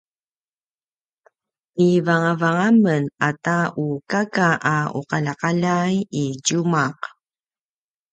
ivangavang a men ata u kaka a uqaljaqaljai i tjumaq